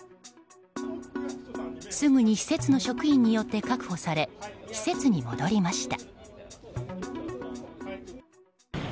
すぐに施設の職員によって確保され、施設に戻りました。